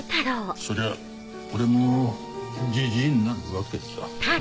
そりゃ俺もじじいになるわけだ。